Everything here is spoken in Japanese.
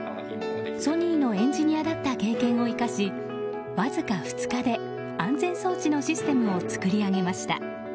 ソニーのエンジニアだった経験を生かし、わずか２日で安全装置のシステムを作り上げました。